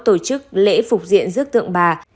tổ chức lễ phục diện rước tượng bà